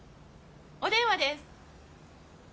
お電話です。